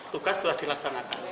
tugas sudah dilaksanakan